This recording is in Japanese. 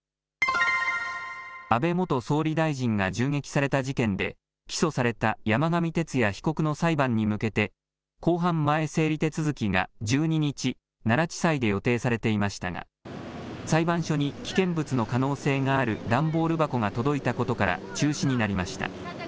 安倍元総理大臣が銃撃された事件で起訴された山上徹也被告の裁判に向けて公判前整理手続きが１２日、奈良地裁で予定されていましたが裁判所に危険物の可能性がある段ボール箱が届いたことから中止になりました。